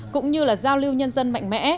cũng như là giao lưu nhân dân mạnh mẽ